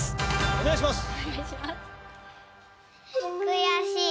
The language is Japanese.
お願いします